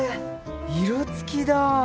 色つきだ。